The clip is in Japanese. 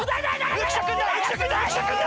浮所君だ